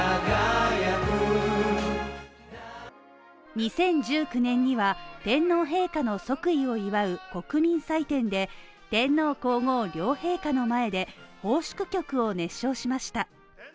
２０１９年には天皇陛下の即位を祝う国民祭典で天皇皇后両陛下の前で奉祝曲を熱唱しました